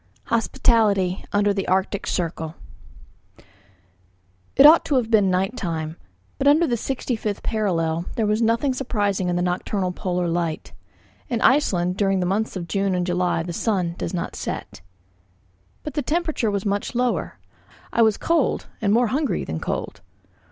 HOSPITALITY UNDER THE ARCTIC CIRCLE It ought to have been night time, but under the 65th parallel there was nothing surprising in the nocturnal polar light. In Iceland during the months of June and July the sun does not set. But the temperature was much lower. I was cold and more hungry than cold.